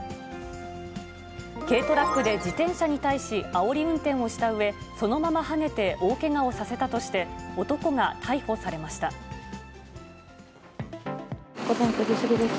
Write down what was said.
軽トラックで自転車に対しあおり運転をしたうえ、そのままはねて大けがをさせたとして、午前９時過ぎです。